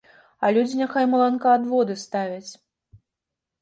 А людзі няхай маланкаадводы ставяць.